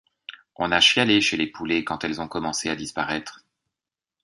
On a chialé, chez les poulets, quand elles ont commencé à disparaître.